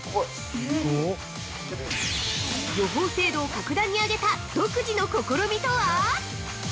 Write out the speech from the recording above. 予報精度を格段に上げた独自の試みとは！？